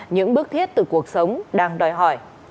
những bước thiết từ cuộc sống đang đòi hỏi